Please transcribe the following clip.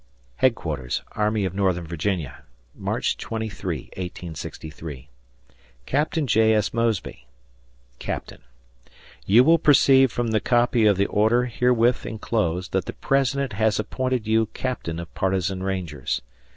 ] Headquarters Army of Northern Virginia, March 23, 1863, Capt. J. S. Mosby, Captain: You will perceive from the copy of the order herewith enclosed that the President has appointed you captain of partisan rangers.